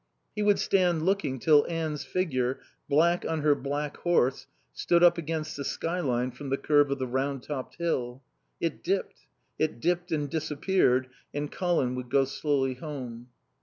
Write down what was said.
He would stand looking till Anne's figure, black on her black horse, stood up against the skyline from the curve of the round topped hill. It dipped; it dipped and disappeared and Colin would go slowly home.